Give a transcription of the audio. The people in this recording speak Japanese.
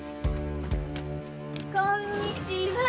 〔こんにちは！〕